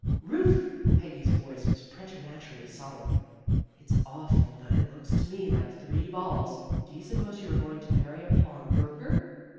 " Ruth! " Peggy's voice was preternaturally solemn. " It's awful, but it looks to me like three balls. Do you suppose you are going to marry a pawn broker?